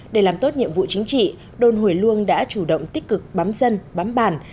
để làm tốt nhiệm vụ chính trị đồn hủy luông đã chủ động tích cực bám dân bám bàn